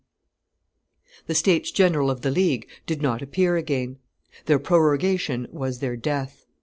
] The states general of the League did not appear again; their prorogation was their death.